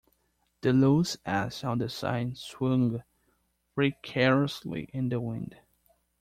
The loose S on the sign swung precariously in the wind.